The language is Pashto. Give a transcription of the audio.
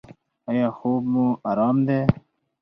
ایا خوب مو ارام دی؟